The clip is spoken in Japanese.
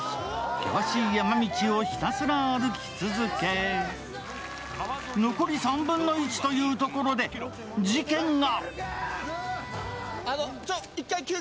険しい山道をひたすら歩き続け残り３分の１というところで事件が！